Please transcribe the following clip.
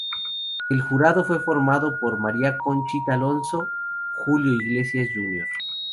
El jurado fue formado por María Conchita Alonso, Julio Iglesias, Jr.